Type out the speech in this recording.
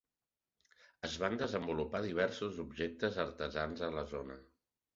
Es van desenvolupar diversos objectes artesans a la zona.